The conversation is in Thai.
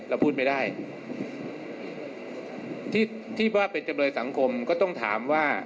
เราพูดไม่ได้ที่ที่ว่าเป็นจำเลยสังคมก็ต้องถามว่า